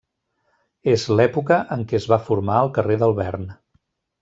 És l’època en què es va formar el carrer del Vern.